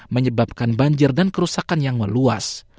menyebabkan banjir dan kerusakan yang meluas